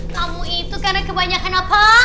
tamu itu karena kebanyakan apa